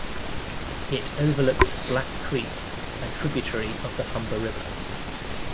It overlooks Black Creek, a tributary of the Humber River.